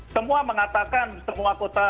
semua mengatakan semua kota